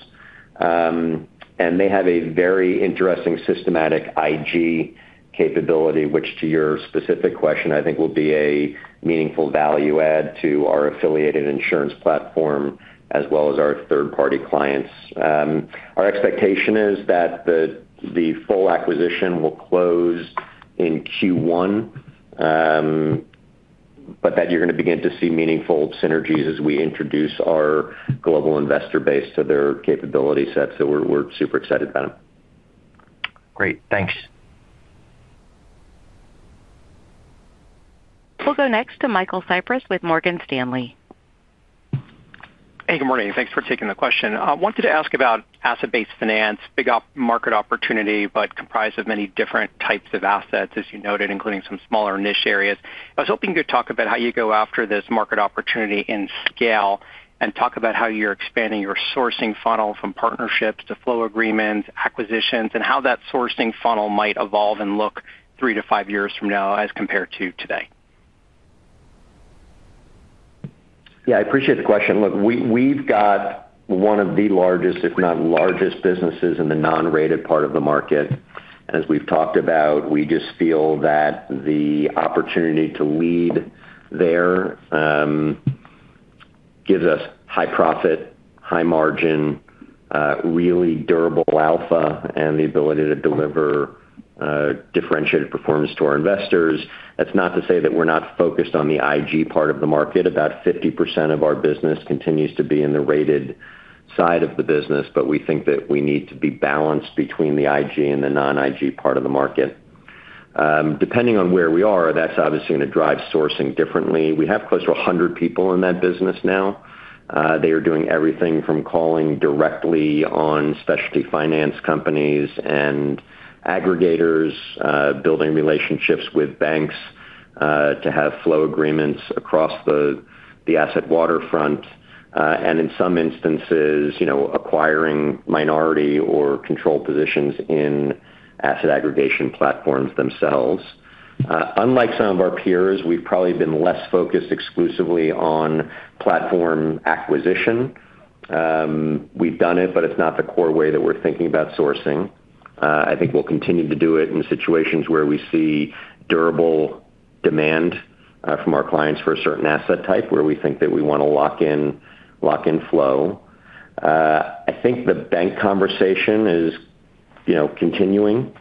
They have a very interesting systematic IG capability, which to your specific question, I think will be a meaningful value add to our affiliated insurance platform as well as our third-party clients. Our expectation is that the full acquisition will close in Q1. You're going to begin to see meaningful synergies as we introduce our global investor base to their capability set. We're super excited about them. Great. Thanks. We'll go next to Michael Cyprys with Morgan Stanley. Hey, good morning. Thanks for taking the question. I wanted to ask about asset-based finance, big market opportunity, but comprised of many different types of assets, as you noted, including some smaller niche areas. I was hoping you could talk about how you go after this market opportunity in scale and talk about how you're expanding your sourcing funnel from partnerships to flow agreements, acquisitions, and how that sourcing funnel might evolve and look three to five years from now as compared to today. Yeah, I appreciate the question. Look, we've got one of the largest, if not the largest, businesses in the non-rated part of the market. And as we've talked about, we just feel that the opportunity to lead there gives us high profit, high margin, really durable alpha, and the ability to deliver differentiated performance to our investors. That's not to say that we're not focused on the IG part of the market. About 50% of our business continues to be in the rated side of the business, but we think that we need to be balanced between the IG and the non-IG part of the market. Depending on where we are, that's obviously going to drive sourcing differently. We have close to 100 people in that business now. They are doing everything from calling directly on specialty finance companies and aggregators, building relationships with banks to have flow agreements across the asset waterfront. And in some instances, acquiring minority or control positions in asset aggregation platforms themselves. Unlike some of our peers, we've probably been less focused exclusively on platform acquisition. We've done it, but it's not the core way that we're thinking about sourcing. I think we'll continue to do it in situations where we see durable demand from our clients for a certain asset type where we think that we want to lock in flow. I think the bank conversation is continuing.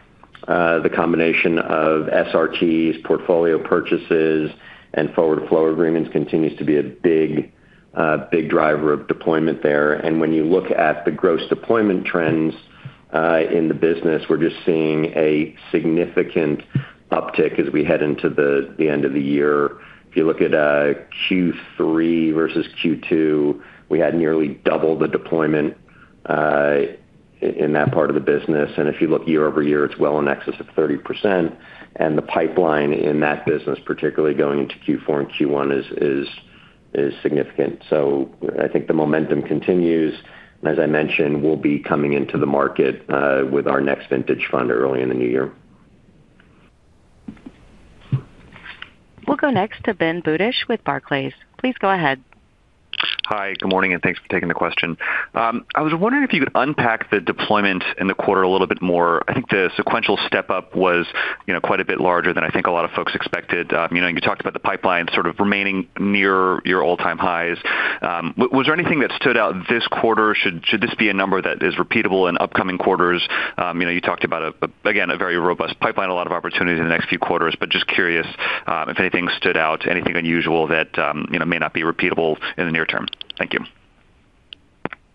The combination of SRTs, portfolio purchases, and forward flow agreements continues to be a big driver of deployment there. When you look at the gross deployment trends in the business, we're just seeing a significant uptick as we head into the end of the year. If you look at Q3 versus Q2, we had nearly double the deployment in that part of the business. If you look year over year, it's well in excess of 30%. The pipeline in that business, particularly going into Q4 and Q1, is significant. I think the momentum continues. As I mentioned, we'll be coming into the market with our next vintage fund early in the new year. We'll go next to Ben Budish with Barclays. Please go ahead. Hi, good morning, and thanks for taking the question. I was wondering if you could unpack the deployment in the quarter a little bit more. I think the sequential step-up was quite a bit larger than I think a lot of folks expected. You talked about the pipeline sort of remaining near your all-time highs. Was there anything that stood out this quarter? Should this be a number that is repeatable in upcoming quarters? You talked about, again, a very robust pipeline, a lot of opportunity in the next few quarters, but just curious if anything stood out, anything unusual that may not be repeatable in the near term. Thank you.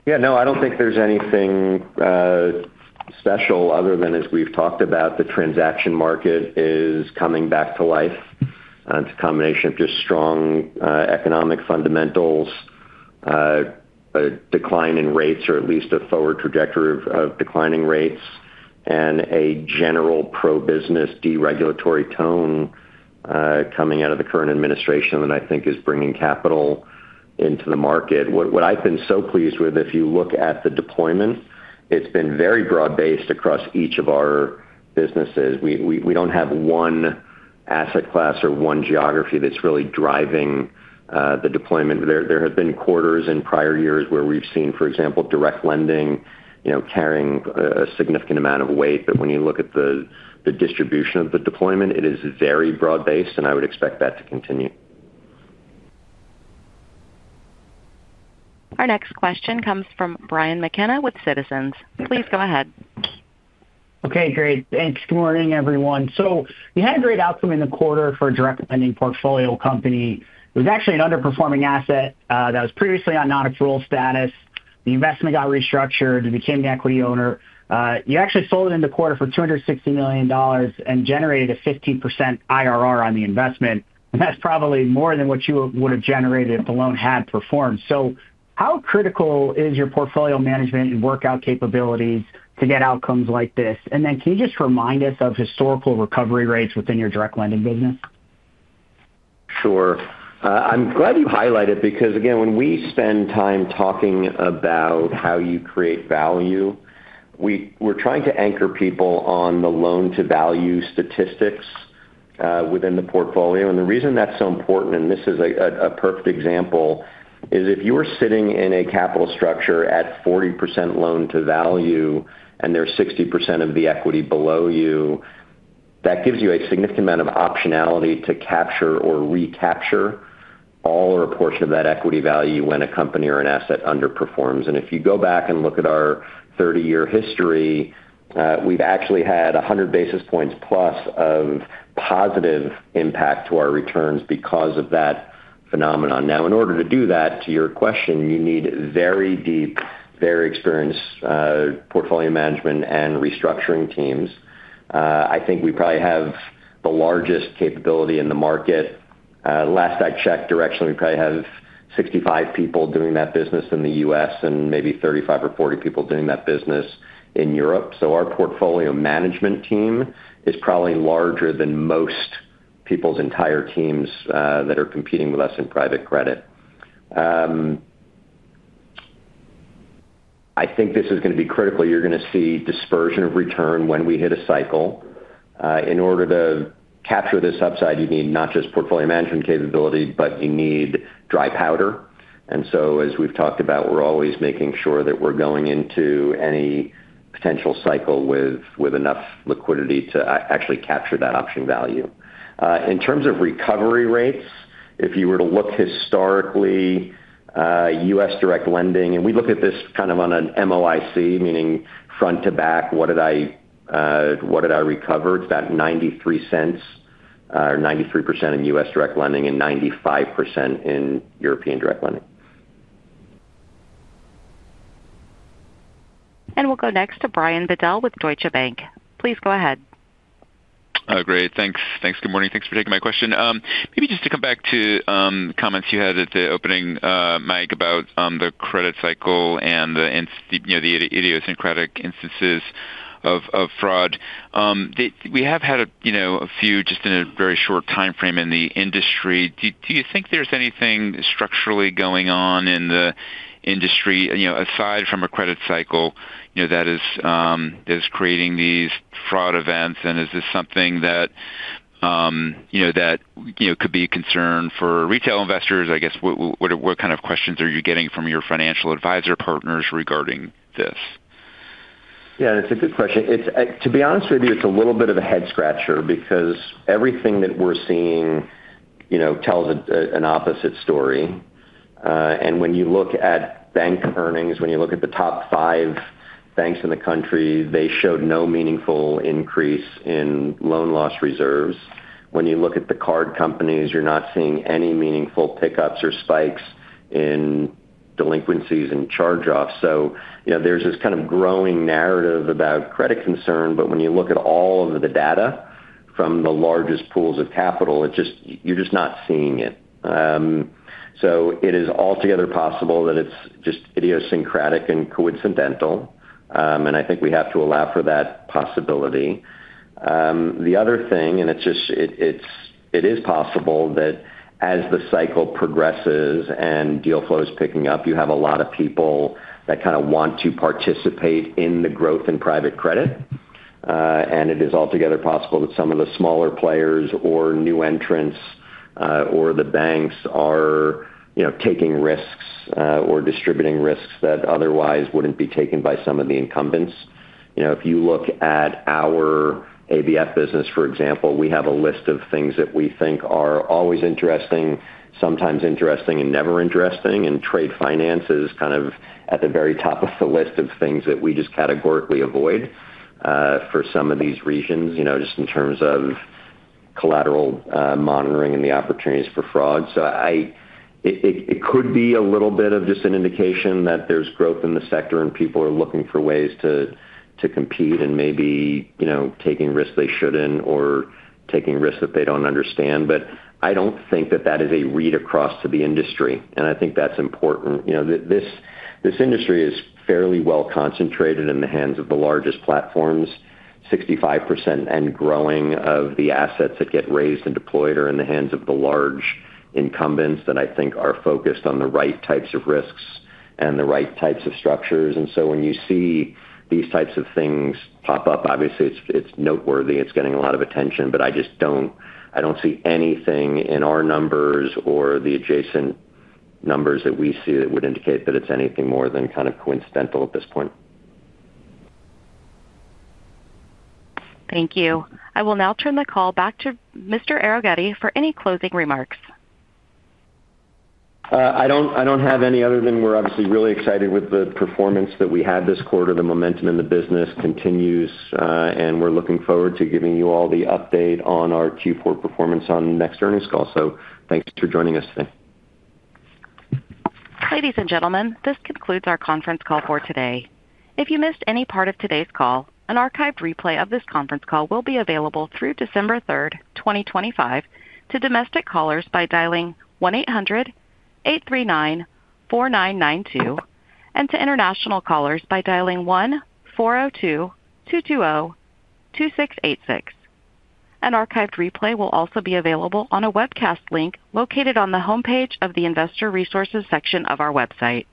Yeah, no, I do not think there is anything special other than, as we have talked about, the transaction market is coming back to life. It is a combination of just strong economic fundamentals, a decline in rates, or at least a forward trajectory of declining rates, and a general pro-business deregulatory tone coming out of the current administration that I think is bringing capital into the market. What I have been so pleased with, if you look at the deployment, it has been very broad-based across each of our businesses. We do not have one asset class or one geography that is really driving the deployment. There have been quarters in prior years where we have seen, for example, direct lending carrying a significant amount of weight. When you look at the distribution of the deployment, it is very broad-based, and I would expect that to continue. Our next question comes from Brian McKenna with Citizens. Please go ahead. Okay, great. Thanks. Good morning, everyone. We had a great outcome in the quarter for a direct lending portfolio company. It was actually an underperforming asset that was previously on non-accrual status. The investment got restructured. It became the equity owner. You actually sold it in the quarter for $260 million and generated a 15% IRR on the investment. That's probably more than what you would have generated if the loan had performed. How critical is your portfolio management and workout capabilities to get outcomes like this? Can you just remind us of historical recovery rates within your direct lending business? Sure. I'm glad you highlighted it because, again, when we spend time talking about how you create value, we're trying to anchor people on the loan-to-value statistics within the portfolio. The reason that's so important, and this is a perfect example, is if you were sitting in a capital structure at 40% loan-to-value and there's 60% of the equity below you. That gives you a significant amount of optionality to capture or recapture all or a portion of that equity value when a company or an asset underperforms. If you go back and look at our 30-year history, we've actually had 100+ basis points of positive impact to our returns because of that phenomenon. Now, in order to do that, to your question, you need very deep, very experienced portfolio management and restructuring teams. I think we probably have the largest capability in the market. Last I checked directionally, we probably have 65 people doing that business in the U.S. and maybe 35 or 40 people doing that business in Europe. Our portfolio management team is probably larger than most people's entire teams that are competing with us in private credit. I think this is going to be critical. You're going to see dispersion of return when we hit a cycle. In order to capture this upside, you need not just portfolio management capability, but you need dry powder. As we've talked about, we're always making sure that we're going into any potential cycle with enough liquidity to actually capture that option value. In terms of recovery rates, if you were to look historically, U.S. direct lending, and we look at this kind of on an MOIC, meaning front to back, what did I recover? It's about 93 cents, or 93% in U.S. direct lending and 95% in European direct lending. We'll go next to Brian Bedell with Deutsche Bank. Please go ahead. Great. Thanks. Good morning. Thanks for taking my question. Maybe just to come back to comments you had at the opening, Mike, about the credit cycle and the idiosyncratic instances of fraud. We have had a few just in a very short time frame in the industry. Do you think there's anything structurally going on in the industry aside from a credit cycle that is creating these fraud events? Is this something that could be a concern for retail investors? I guess, what kind of questions are you getting from your financial advisor partners regarding this? Yeah, it's a good question. To be honest with you, it's a little bit of a head scratcher because everything that we're seeing tells an opposite story. When you look at bank earnings, when you look at the top five banks in the country, they showed no meaningful increase in loan loss reserves. When you look at the card companies, you're not seeing any meaningful pickups or spikes in delinquencies and charge-offs. There is this kind of growing narrative about credit concern, but when you look at all of the data from the largest pools of capital, you're just not seeing it. It is altogether possible that it's just idiosyncratic and coincidental. I think we have to allow for that possibility. The other thing, and it is possible that as the cycle progresses and deal flow is picking up, you have a lot of people that kind of want to participate in the growth in private credit. It is altogether possible that some of the smaller players or new entrants or the banks are taking risks or distributing risks that otherwise wouldn't be taken by some of the incumbents. If you look at our ABF business, for example, we have a list of things that we think are always interesting, sometimes interesting, and never interesting. Trade finance is kind of at the very top of the list of things that we just categorically avoid for some of these reasons, just in terms of collateral monitoring and the opportunities for fraud. It could be a little bit of just an indication that there's growth in the sector and people are looking for ways to compete and maybe taking risks they shouldn't or taking risks that they don't understand. I don't think that that is a read across to the industry. I think that's important. This industry is fairly well concentrated in the hands of the largest platforms. 65% and growing of the assets that get raised and deployed are in the hands of the large incumbents that I think are focused on the right types of risks and the right types of structures. When you see these types of things pop up, obviously, it's noteworthy. It's getting a lot of attention, but I don't see anything in our numbers or the adjacent numbers that we see that would indicate that it's anything more than kind of coincidental at this point. Thank you. I will now turn the call back to Mr. Arougheti for any closing remarks. I don't have any other than we're obviously really excited with the performance that we had this quarter. The momentum in the business continues, and we're looking forward to giving you all the update on our Q4 performance on next earnings call. Thanks for joining us today. Ladies and gentlemen, this concludes our conference call for today. If you missed any part of today's call, an archived replay of this conference call will be available through December 3rd, 2025, to domestic callers by dialing 1-800-839-4992 and to international callers by dialing 1-402-220-2686. An archived replay will also be available on a webcast link located on the homepage of the investor resources section of our website.